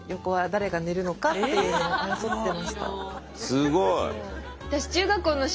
すごい。